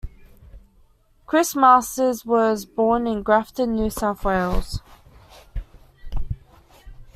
Chris Masters was born in Grafton, New South Wales.